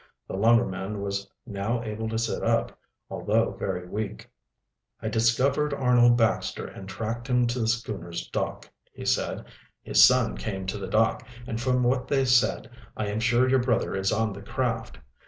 The lumberman was now able to sit up, although very weak. "I discovered Arnold Baxter and tracked him to the schooner's dock," he said. "His son came to the dock, and from what they said I am sure your brother is on the craft.